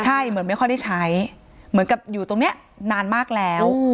ใช่เหมือนไม่ค่อยได้ใช้เหมือนกับอยู่ตรงนี้นานมากแล้ว